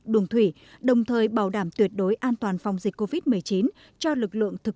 đường thủy đồng thời bảo đảm tuyệt đối an toàn phòng dịch covid một mươi chín cho lực lượng thực